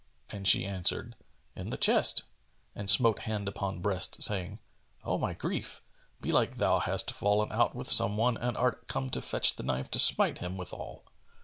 and she answered, "In the chest," and smote hand upon breast, saying, "O my grief! Belike thou hast fallen out with some one and art come to fetch the knife to smite him withal."